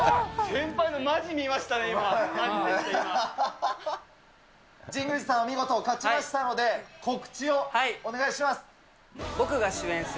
先輩のまじ、見ましたね、神宮寺さん、見事勝ちましたので、告知をお願いします。